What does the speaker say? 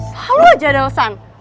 selalu aja ada alasan